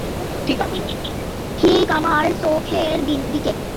ঠিক আমার চোখের দিকে।